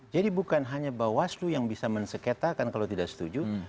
jadi bukan hanya bawaslu yang bisa mensekatakan kalau tidak setuju